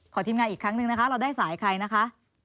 ทีมงานอีกครั้งหนึ่งนะคะเราได้สายใครนะคะ